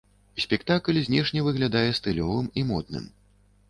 Спектакль знешне выглядае стылёвым і модным.